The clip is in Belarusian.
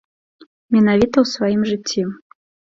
Менавіта ў сваім жыцці.